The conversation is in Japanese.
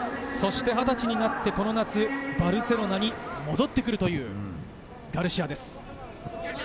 ２０歳になってこの夏バルセロナに戻ってくるガルシアです。